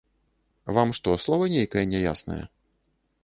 Вам што, слова нейкае няяснае?